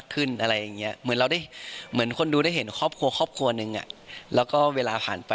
เขาน่ารักขึ้นเยอะนะ